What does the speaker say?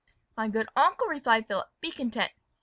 "My good uncle," replied Philip, "be content.